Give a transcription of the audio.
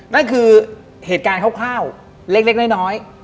นั่นคือเหตุการณ์คร่าวเล็กน้อย